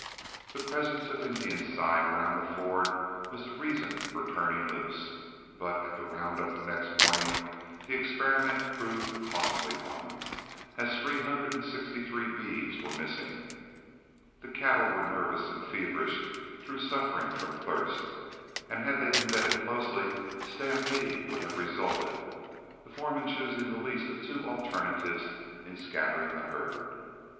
The presence of Indian sign around the ford was the reason for turning loose, but at the round up the next morning the experiment proved a costly one, as three hundred and sixty three beeves were missing. The cattle were nervous and feverish through suffering from thirst, and had they been bedded closely, stampeding would have resulted, the foreman choosing the least of two alternatives in scattering the herd.